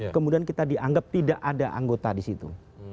kemudian kita dianggap tidak ada anggota di situ